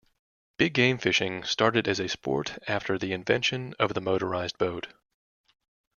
Big-game fishing started as a sport after the invention of the motorized boat.